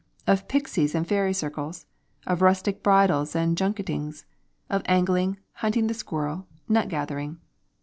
of pixies and fairy circles? of rustic bridals and junketings? of angling, hunting the squirrel, nut gathering?